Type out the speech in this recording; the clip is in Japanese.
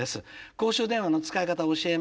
公衆電話の使い方を教えました。